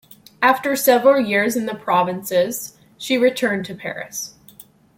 After several years in the provinces she returned to Paris.